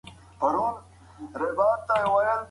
د حملې پر مهال ځینې کسان تاوتریخوالی ښيي.